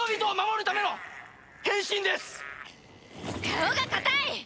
顔が硬い！